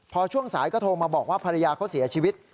พอช่วงสายก็โทรมาบอกว่าภรรยาเขาเสียชีวิต